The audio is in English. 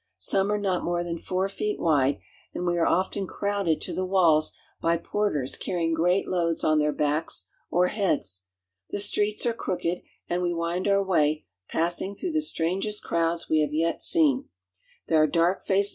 Some are not more than four feet wide, and we are often crowded to the walls by porters carrying great loads on their backs or heads. The streets are crooked and wc wind our way, passing through the strangest crowds we have yet seen. There are dark faced ZANZIBAR 2(53